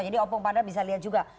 jadi opung pada bisa lihat juga